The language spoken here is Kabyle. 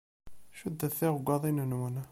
Cuddet tiɣggaḍin-nwen.